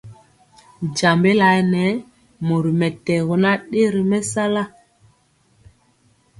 Tyiembé laɛ nɛ mori mɛtɛgɔ nan dɛ ri mɛsala.